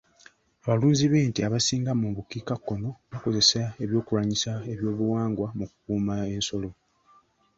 Abalunzi b'ente abasinga mu bukiikakkono bakozesa eby'okulwanyisa ebyobuwangwa mu kukuuma ensolo.